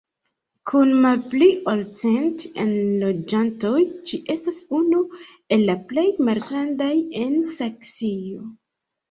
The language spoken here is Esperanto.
Kun malpli ol cent enloĝantoj ĝi estas unu el la plej malgrandaj en Saksio.